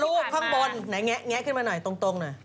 ข้างบนไหนแงะขึ้นมาหน่อยตรงหน่อย